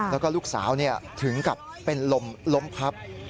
แล้วก็ลูกสาวถึงกับเป็นล้มพับ